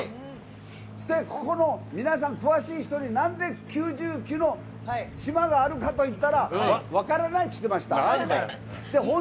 ここの詳しい人になんで９９の島があるかといったら分からないって言ってました。